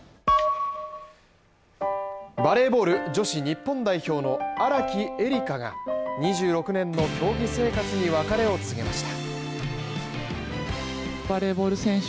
バレーボール女子日本代表の荒木絵里香が２６年の競技生活に別れを告げました。